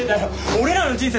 俺らの人生